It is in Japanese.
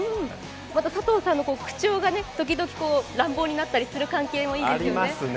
また佐藤さんの口調が時々乱暴になったりする関係もいいですよね。